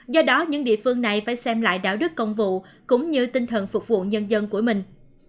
do đó những địa phương này phải xem lại đạo đức công vụ cũng như tinh thần phục vụ nhân dân của mình